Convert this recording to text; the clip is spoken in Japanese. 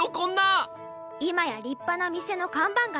今や立派な店の看板亀。